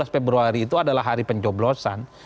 tujuh belas februari itu adalah hari pencoblosan